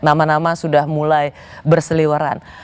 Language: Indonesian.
nama nama sudah mulai berseliwaran